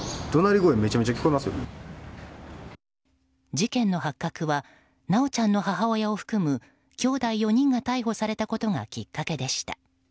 事件の発覚は修ちゃんの母親を含むきょうだい４人が逮捕されたことがきっかけでした。